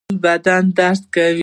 زما ټوله بدن درد کوي